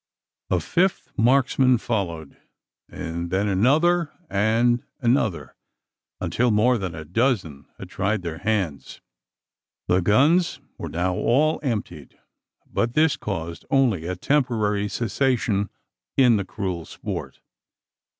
A fifth marksman followed; and then another and another until more than a dozen had tried their hands. The guns were now all emptied; but this caused only a temporary cessation in the cruel sport.